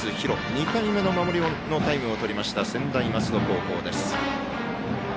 ２回目の守りのタイムをとりました専大松戸高校です。